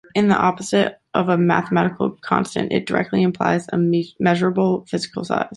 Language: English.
In the opposite of a mathematical constant, it directly implies a measurable physical size.